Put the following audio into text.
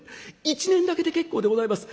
１年だけで結構でございます。